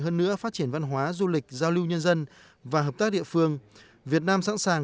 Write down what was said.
hơn nữa phát triển văn hóa du lịch giao lưu nhân dân và hợp tác địa phương việt nam sẵn sàng